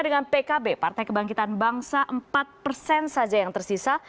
dengan pkb partai kebangkitan bangsa empat persen saja yang tersisa